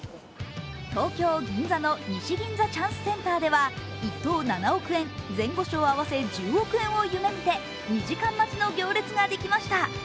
東京・銀座の西銀座チャンスセンターでは１等７億円、前後賞合わせ１０億円を夢見て、２時間待ちの行列ができました。